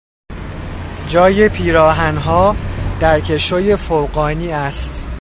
جای پیراهنها در کشوی فوقانی است.